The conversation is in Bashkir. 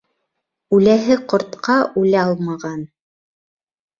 Үләһе ҡортҡа үлә алмаған.